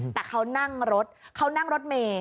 แต่เขานั่งรถเขานั่งรถเมย์